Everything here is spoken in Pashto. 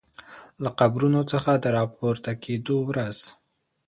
له قبرونو څخه د راپورته کیدو ورځ